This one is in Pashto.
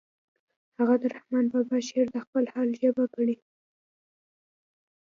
هغه د رحمن بابا شعر د خپل حال ژبه ګڼي